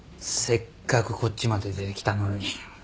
せっかくこっちまで出てきたのに仕事ですか？